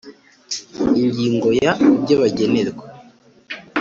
Ingingo ya ibyo bagenerwa